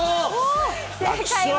正解は。